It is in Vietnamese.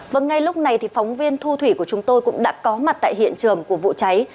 vâng ngay lúc này thì phóng viên thu thủy của chúng tôi cũng đã có mặt tại hiện trường của vụ cháy